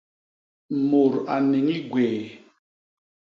Mut a niñi gwéé.